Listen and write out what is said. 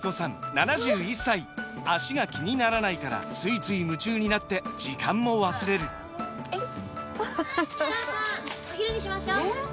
７１歳脚が気にならないからついつい夢中になって時間も忘れるお母さんお昼にしましょうえー